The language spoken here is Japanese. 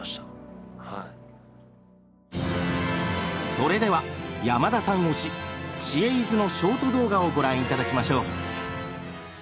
それでは山田さん推し「知恵泉」のショート動画をご覧頂きましょう。